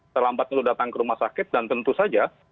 terlambat untuk datang ke rumah sakit dan tentu saja